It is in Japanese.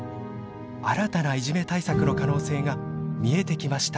新たないじめ対策の可能性が見えてきました。